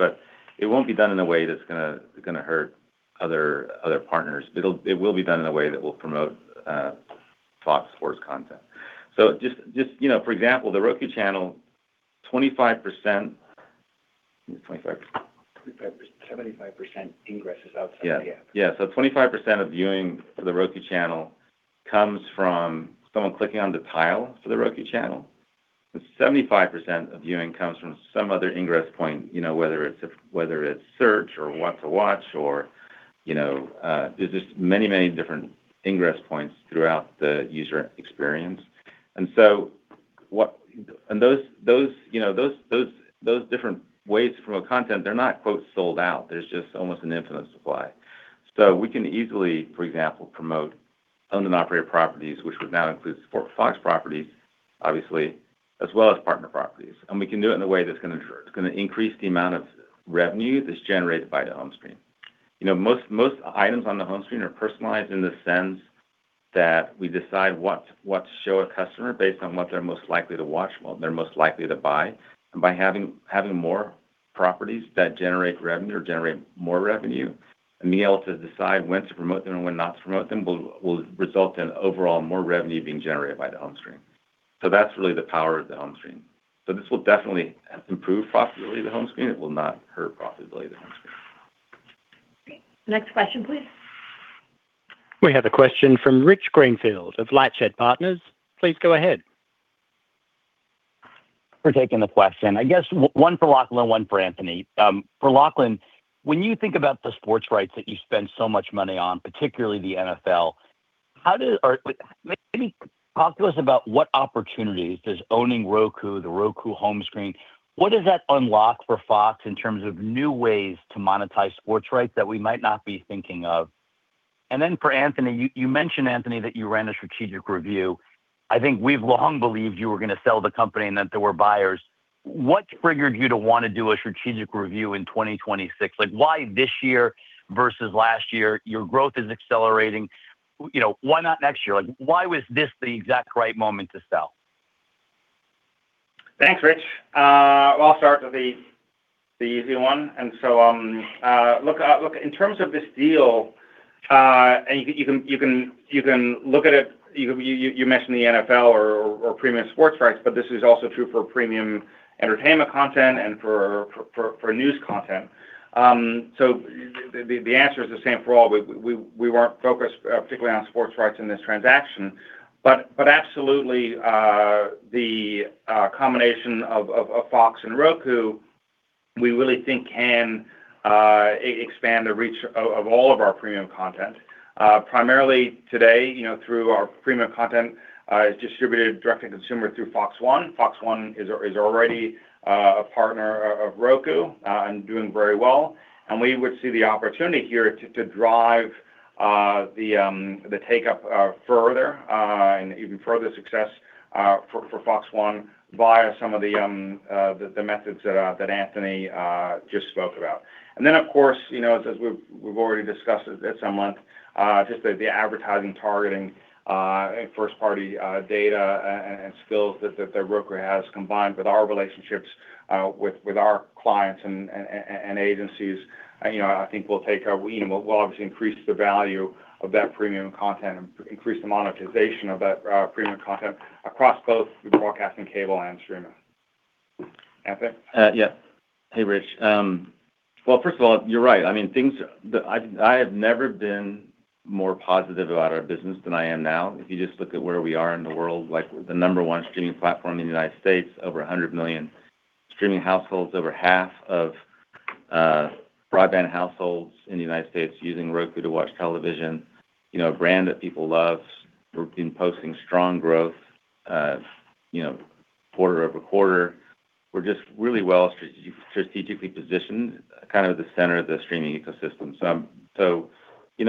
[SPEAKER 4] It won't be done in a way that's going to hurt other partners. It will be done in a way that will promote FOX Sports content. Just for example, The Roku Channel, 25%
[SPEAKER 3] 75% ingress is outside the app.
[SPEAKER 4] Yeah. 25% of viewing of The Roku Channel comes from someone clicking on the tile for The Roku Channel, but 75% of viewing comes from some other ingress point, whether it's search or what to watch or there's just many different ingress points throughout the user experience. Those different ways to promote content, they're not "sold out." There's just almost an infinite supply. We can easily, for example, promote owned and operated properties, which would now include Fox properties, obviously, as well as partner properties. We can do it in a way that's going to increase the amount of revenue that's generated by the home screen. Most items on the home screen are personalized in the sense that we decide what to show a customer based on what they're most likely to watch, what they're most likely to buy. By having more properties that generate revenue or generate more revenue, and being able to decide when to promote them and when not to promote them, will result in overall more revenue being generated by the home screen. That's really the power of the home screen. This will definitely improve profitability of the home screen. It will not hurt profitability of the home screen.
[SPEAKER 2] Okay. Next question, please.
[SPEAKER 1] We have a question from Rich Greenfield of LightShed Partners. Please go ahead.
[SPEAKER 14] For taking the question. I guess one for Lachlan, one for Anthony. For Lachlan, when you think about the sports rights that you spend so much money on, particularly the NFL, talk to us about what opportunities does owning Roku, the Roku home screen, what does that unlock for Fox in terms of new ways to monetize sports rights that we might not be thinking of? For Anthony, you mentioned, Anthony, that you ran a strategic review. I think we've long believed you were going to sell the company and that there were buyers. What triggered you to want to do a strategic review in 2026? Why this year versus last year? Your growth is accelerating. Why not next year? Why was this the exact right moment to sell?
[SPEAKER 3] Thanks, Rich. I'll start with the easy one. Look, in terms of this deal, you can look at it, you mentioned the NFL or premium sports rights, but this is also true for premium entertainment content and for news content. The answer is the same for all. We weren't focused particularly on sports rights in this transaction. Absolutely, the combination of Fox and Roku, we really think can expand the reach of all of our premium content. Primarily, today, through our premium content is distributed direct to consumer through FOX One. FOX One is already a partner of Roku and doing very well. We would see the opportunity here to drive the take-up even further success for FOX One via some of the methods that Anthony just spoke about. Of course, as we've already discussed at some length, just the advertising targeting, first-party data, and skills that Roku has combined with our relationships with our clients and agencies I think will obviously increase the value of that premium content and increase the monetization of that premium content across both broadcasting cable and streaming. Anthony?
[SPEAKER 4] Yeah. Hey, Rich. First of all, you're right. I have never been more positive about our business than I am now. If you just look at where we are in the world, the number one streaming platform in the U.S., over 100 million streaming households, over half of broadband households in the U.S. using Roku to watch television. A brand that people love. We've been posting strong growth quarter-over-quarter. We're just really well strategically positioned, kind of the center of the streaming ecosystem. We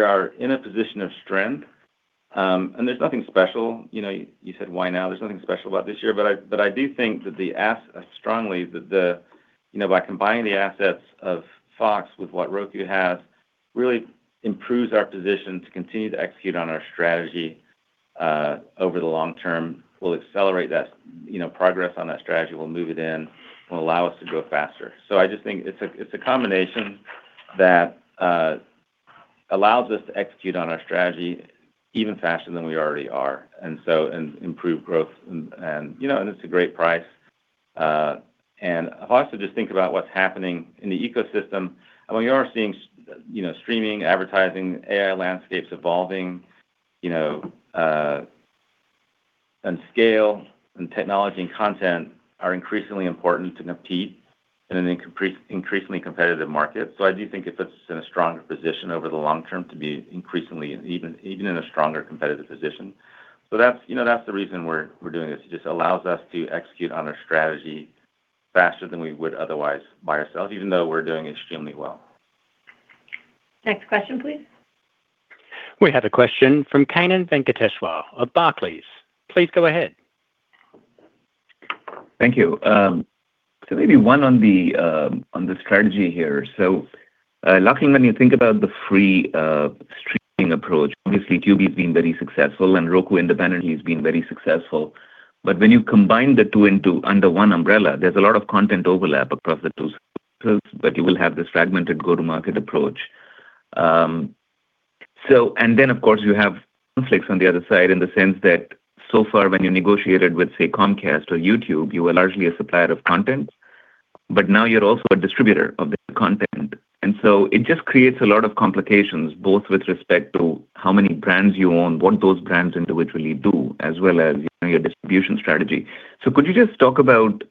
[SPEAKER 4] are in a position of strength. There's nothing special. You said, "Why now?" There's nothing special about this year, but I do think that strongly that by combining the assets of Fox with what Roku has, really improves our position to continue to execute on our strategy, over the long term. We'll accelerate progress on that strategy. We'll move it in and allow us to grow faster. I just think it's a combination that allows us to execute on our strategy even faster than we already are, and improve growth, and it's a great price. Also, just think about what's happening in the ecosystem. I mean, we are seeing streaming, advertising, AI landscapes evolving, and scale in technology and content are increasingly important to compete in an increasingly competitive market. I do think it puts us in a stronger position over the long term to be increasingly, even in a stronger competitive position. That's the reason we're doing this. It just allows us to execute on our strategy faster than we would otherwise by ourselves, even though we're doing extremely well.
[SPEAKER 2] Next question, please.
[SPEAKER 1] We have a question from Kannan Venkateshwar of Barclays. Please go ahead.
[SPEAKER 15] Thank you. Maybe one on the strategy here. Lachlan, when you think about the free streaming approach, obviously Tubi's been very successful and Roku independently has been very successful. When you combine the two under one umbrella, there's a lot of content overlap across the two. You will have this fragmented go-to-market approach. Then, of course, you have conflicts on the other side in the sense that so far when you negotiated with, say, Comcast or YouTube, you were largely a supplier of content. Now you're also a distributor of the content. It just creates a lot of complications, both with respect to how many brands you own, what those brands individually do, as well as your distribution strategy. Could you just talk about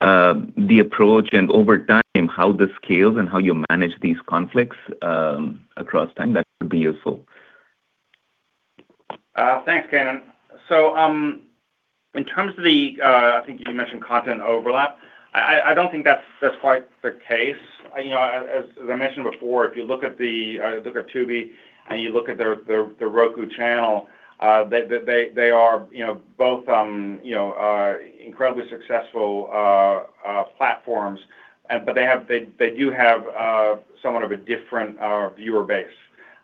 [SPEAKER 15] the approach and over time, how this scales and how you manage these conflicts across time? That would be useful.
[SPEAKER 3] Thanks, Kannan. In terms of the, I think you mentioned content overlap. I don't think that's quite the case. As I mentioned before, if you look at Tubi and you look at The Roku Channel, they are both incredibly successful platforms. They do have somewhat of a different viewer base.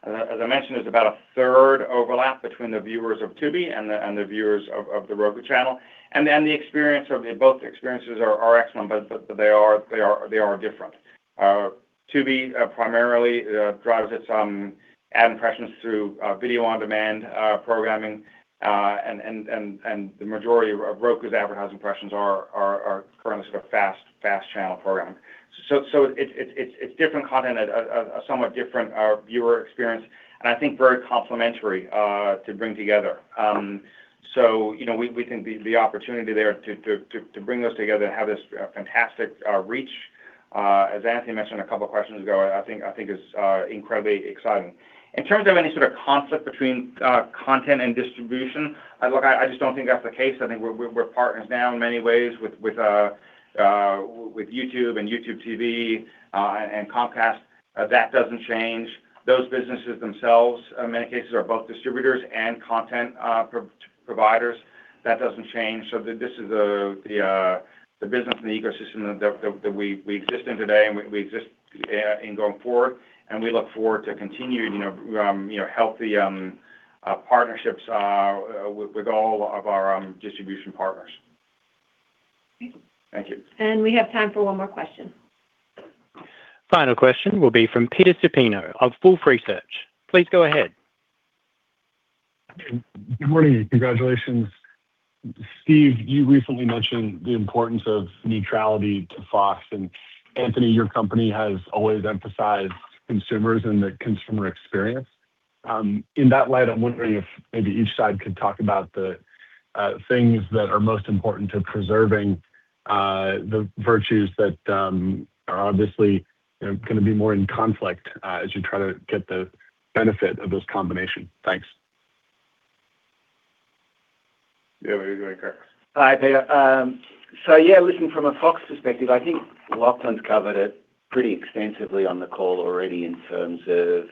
[SPEAKER 3] As I mentioned, there's about a third overlap between the viewers of Tubi and the viewers of The Roku Channel. Both experiences are excellent, but they are different. Tubi primarily drives its ad impressions through video on-demand programming. The majority of Roku's advertising impressions are currently sort of fast channel programming. It's different content, a somewhat different viewer experience, and I think very complementary to bring together. We think the opportunity there to bring those together and have this fantastic reach. As Anthony mentioned a couple of questions ago, I think it's incredibly exciting. In terms of any sort of conflict between content and distribution, look, I just don't think that's the case. I think we're partners now in many ways with YouTube and YouTube TV, and Comcast. That doesn't change. Those businesses themselves, in many cases, are both distributors and content providers. That doesn't change. This is the business and the ecosystem that we exist in today, and we exist in going forward. We look forward to continuing our healthy partnerships with all of our distribution partners.
[SPEAKER 15] Thank you.
[SPEAKER 2] We have time for one more question.
[SPEAKER 1] Final question will be from Peter Supino of Wolfe Research. Please go ahead.
[SPEAKER 16] Good morning. Congratulations. Steve, you recently mentioned the importance of neutrality to Fox, and Anthony, your company has always emphasized consumers and the consumer experience. In that light, I'm wondering if maybe each side could talk about the things that are most important to preserving the virtues that are obviously going to be more in conflict as you try to get the benefit of this combination. Thanks.
[SPEAKER 3] Yeah. You want to go, Steve?
[SPEAKER 5] Hi, Peter. Yeah, listen, from a Fox perspective, I think Lachlan's covered it pretty extensively on the call already in terms of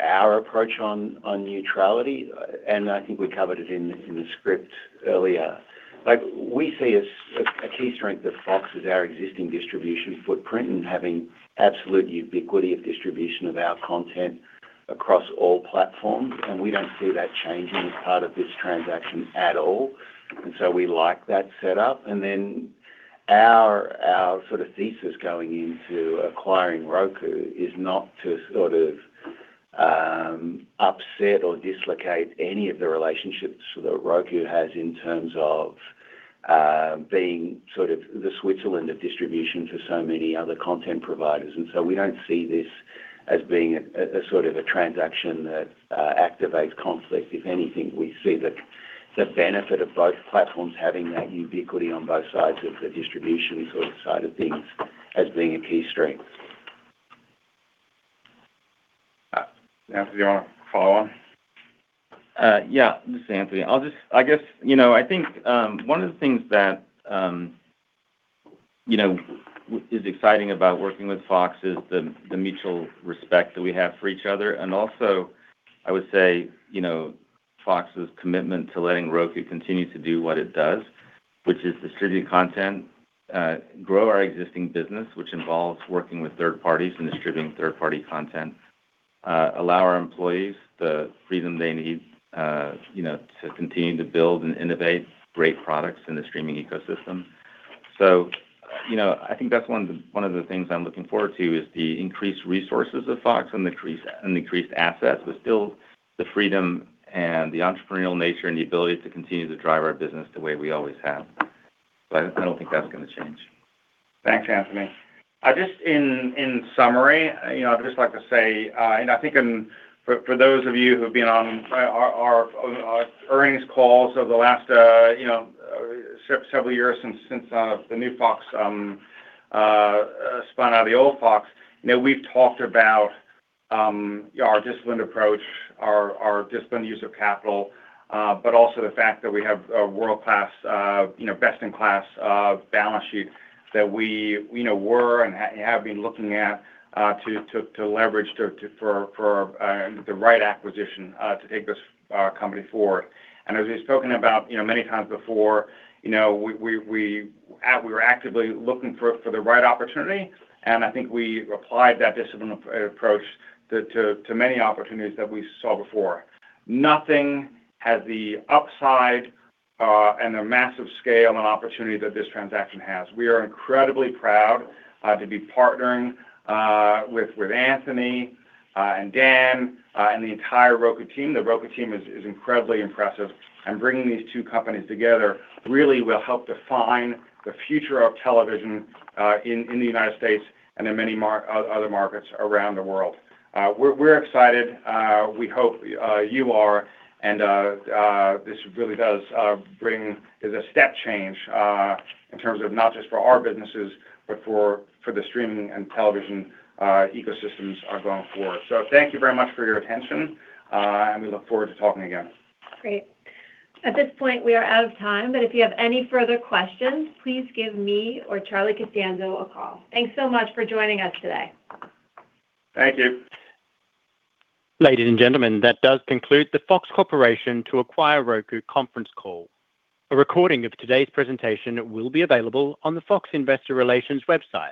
[SPEAKER 5] our approach on neutrality. I think we covered it in the script earlier. We see a key strength of Fox is our existing distribution footprint and having absolute ubiquity of distribution of our content across all platforms. We don't see that changing as part of this transaction at all. We like that set up. Our thesis going into acquiring Roku is not to upset or dislocate any of the relationships that Roku has in terms of being the Switzerland of distribution to so many other content providers. We don't see this as being a transaction that activates conflict. If anything, we see the benefit of both platforms having that ubiquity on both sides of the distribution side of things as being a key strength.
[SPEAKER 3] Anthony, you want to follow on?
[SPEAKER 4] Yeah. This is Anthony. I think one of the things that is exciting about working with Fox is the mutual respect that we have for each other, and also, I would say, Fox's commitment to letting Roku continue to do what it does, which is distribute content, grow our existing business, which involves working with third parties and distributing third-party content, allow our employees the freedom they need to continue to build and innovate great products in the streaming ecosystem. I think that's one of the things I'm looking forward to, is the increased resources of Fox and the increased assets, but still the freedom and the entrepreneurial nature and the ability to continue to drive our business the way we always have. I don't think that's going to change.
[SPEAKER 3] Thanks, Anthony. Just in summary, I'd just like to say, I think for those of you who've been on our earnings calls over the last several years since the new Fox spun out of the old Fox, we've talked about our disciplined approach, our disciplined use of capital, but also the fact that we have a world-class, best-in-class balance sheet that we were and have been looking at to leverage for the right acquisition to take this company forward. As we've spoken about many times before, we were actively looking for the right opportunity, and I think we applied that disciplined approach to many opportunities that we saw before. Nothing has the upside and the massive scale and opportunity that this transaction has. We are incredibly proud to be partnering with Anthony and Dan and the entire Roku team. The Roku team is incredibly impressive. Bringing these two companies together really will help define the future of television in the U.S. and in many other markets around the world. We're excited. We hope you are, and this really is a step change in terms of not just for our businesses, but for the streaming and television ecosystems going forward. Thank you very much for your attention, and we look forward to talking again.
[SPEAKER 2] Great. At this point, we are out of time, if you have any further questions, please give me or Charlie Costanzo a call. Thanks so much for joining us today.
[SPEAKER 3] Thank you.
[SPEAKER 1] Ladies and gentlemen, that does conclude the Fox Corporation to acquire Roku conference call. A recording of today's presentation will be available on the Fox Investor Relations website.